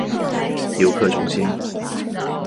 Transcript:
游客中心